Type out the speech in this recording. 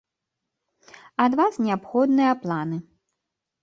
Ад вас неабходныя планы.